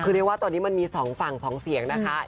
คือเรียกว่าตอนนี้มันมี๒ฝั่ง๒เสียงนะคะ